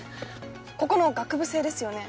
ここの学部生ですよね？